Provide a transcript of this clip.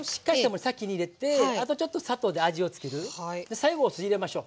最後お酢入れましょう。